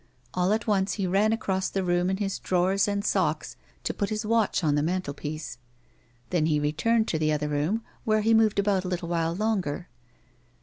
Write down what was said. All at once he ran across the room in his drawers and socks to put his watch on the mantelpiece ; then he returned to the other room, where he moved about a little while longer.